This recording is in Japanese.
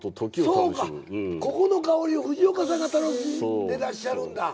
ここの香りを藤岡さんが楽しんでらっしゃるんだ。